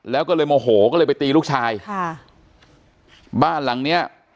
แล้วก็เลยโมโหก็เลยไปตีลูกชายค่ะบ้านหลังเนี้ย